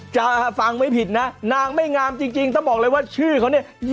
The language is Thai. จะฟังไม่ผิดนะนางไม่งามจริงต้องบอกเลยว่าชื่อเขาเนี่ย